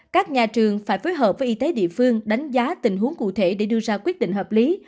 các nhà trường phải phối hợp với y tế địa phương đánh giá tình huống cụ thể để đưa ra quyết định hợp lý